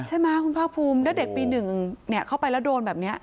ใช่มั้ยคุณภาพภูมิแล้วเด็กปีหนึ่งเนี่ยเข้าไปแล้วโดนแบบเนี้ย